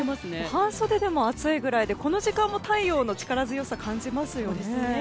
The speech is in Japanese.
半袖でも暑いくらいでこの時間も太陽の力強さを感じますよね。